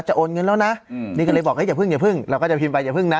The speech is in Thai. โอนเงินแล้วนะนี่ก็เลยบอกอย่าเพิ่งอย่าเพิ่งเราก็จะพิมพ์ไปอย่าเพิ่งนะ